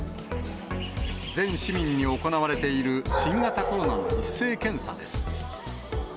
全市民に行われている新型コロナの一斉検査です。